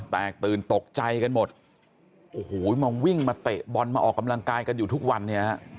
แตกตื่นตกใจกันหมดโอ้โหมาวิ่งมาเตะบอลมาออกกำลังกายกันอยู่ทุกวันเนี่ยฮะ